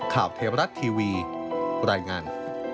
เทวรัฐทีวีรายงาน